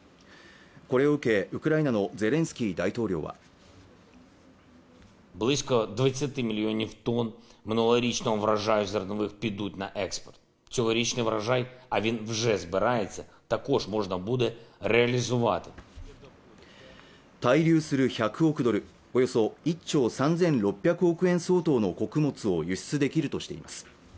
これを受け、ウクライナのゼレンスキー大統領は滞留する１００億ドル、およそ１兆３６００億円相当の穀物を輸出できるとしています。